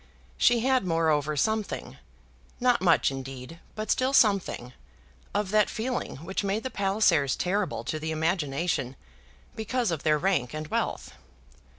She had moreover something, not much indeed, but still something, of that feeling which made the Pallisers terrible to the imagination, because of their rank and wealth.